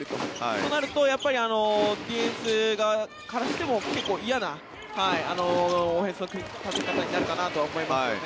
となるとディフェンスからしても嫌なオフェンスの組み立て方になるかなとは思いますよね。